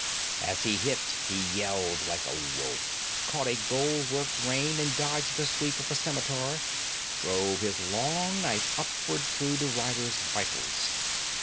As he hit, he yelled like a wolf, caught a gold worked rein, and dodging the sweep of a scimitar, drove his long knife upward through the rider's vitals.